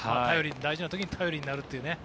大事な時に頼りになるというね。